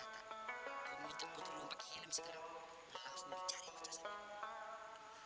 kamu minta putri umpaki helm sekarang